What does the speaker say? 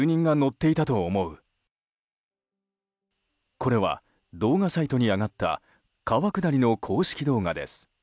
これは動画サイトに上がった川下りの公式動画です。